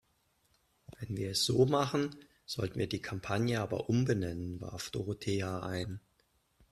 Wenn wir es so machen, sollten wir die Kampagne aber umbenennen, warf Dorothea ein.